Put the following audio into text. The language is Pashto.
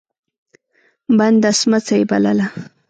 بنده سمڅه يې بلله.